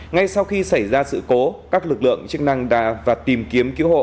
ngay sau khi xảy ra sự cố các lực lượng chức năng đã vào tìm kiếm cứu hộ